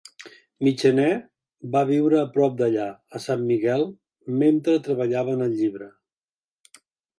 Michener va viure a prop d'allà, a San Miguel, mentre treballava en el llibre.